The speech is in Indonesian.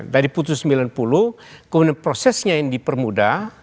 dari putus sembilan puluh kemudian prosesnya yang dipermudah